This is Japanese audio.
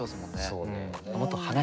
そうね。